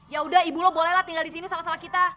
yaudah ibu lo boleh lah tinggal di sini sama sama kita